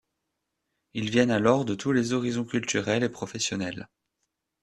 Ils viennent alors de tous les horizons culturels et professionnels.